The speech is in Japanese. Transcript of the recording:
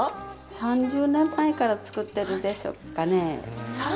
３０年前から作ってるでしょうかね。